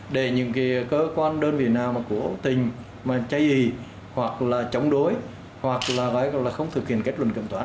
để những cơ quan đơn vị nào mà cố tình chay gì hoặc là chống đối hoặc là gây không thực hiện kết luận kiểm toán